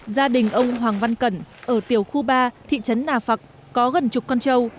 gia đình ông hoàng văn cẩn ở tiểu khu ba thị trấn nà phạc có gần chục con trâu